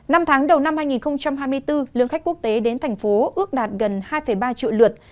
năm tháng đầu năm hai nghìn hai mươi bốn lượng khách quốc tế đến thành phố ước đạt gần hai ba triệu lượt